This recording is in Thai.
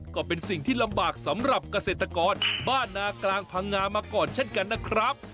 ก็เป็นสิ่งที่ลำบากสำหรับเกษตรกรบ้านนากลางพังงามาก่อนเช่นกันนะครับ